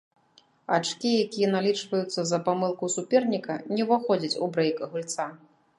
Ачкі, якія налічваюцца за памылку суперніка, не ўваходзяць у брэйк гульца.